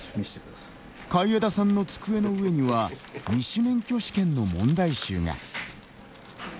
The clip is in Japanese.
海江田さんの机の上には二種免許試験の問題集が。